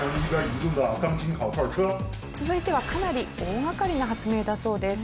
続いてはかなり大掛かりな発明だそうです。